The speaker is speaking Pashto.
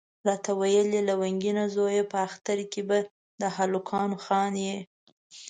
راته ویل یې لونګینه زویه په اختر کې به د هلکانو خان یې.